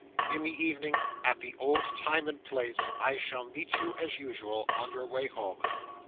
In the evening, at the old time and place, I shall meet you as usual on your way home.